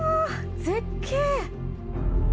絶景！